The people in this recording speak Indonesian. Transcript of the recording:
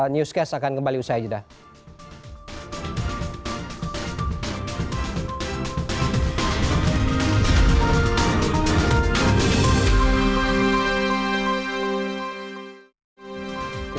newscast akan kembali usai